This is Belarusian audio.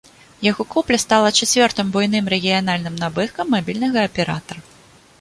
Яго купля стала чацвёртым буйным рэгіянальным набыткам мабільнага аператара.